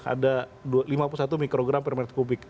ada lima puluh satu mikrogram per meter kubik